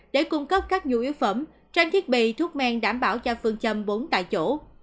để cung cấp các nhu yếu phẩm trang thiết bị thuốc men đảm bảo cho phương châm bốn tại chỗ